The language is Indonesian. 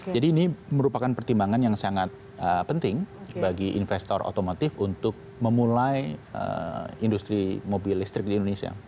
jadi ini merupakan pertimbangan yang sangat penting bagi investor otomotif untuk memulai industri mobil listrik di indonesia